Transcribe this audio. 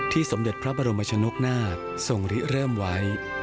สมเด็จพระบรมชนกนาคทรงริเริ่มไว้